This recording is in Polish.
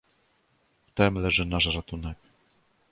"W tem leży nasz ratunek."